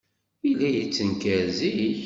Yella yettenkar zik.